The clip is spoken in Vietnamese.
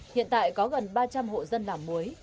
hiện tại có gần ba trăm linh hộ dân làm muối